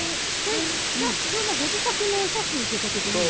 貴重なご自宅のお写真ということですか。